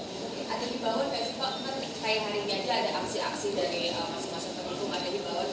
seperti hari ini aja ada aksi aksi dari masing masing teman teman